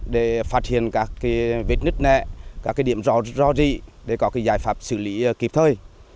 để phát hiện các vết nứt nẹ các điểm rõ rị để có giải pháp xử lý kịp thời